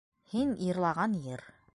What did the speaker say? Һин йырлаған йыр.